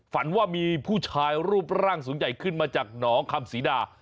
ฝันว่ามีผู้ชายรูปร่างสูงใหญ่ขึ้นมาจากหนองคำศรีดา